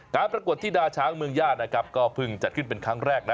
ประกวดที่ดาช้างเมืองญาตินะครับก็เพิ่งจัดขึ้นเป็นครั้งแรกนะ